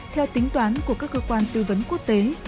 theo tính toán của các cơ quan tư vấn quốc tế